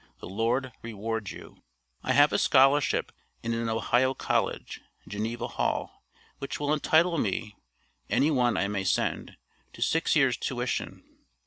The Lord reward you. I have a scholarship in an Ohio College, Geneva Hall, which will entitle me any one I may send to six years tuition.